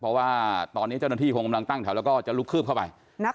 เพราะว่าตอนนี้เจ้าหน้าที่คงกำลังตั้งแถวแล้วก็จะลุกคืบเข้าไป